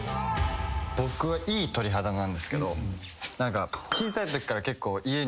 僕はいい鳥肌なんですけど。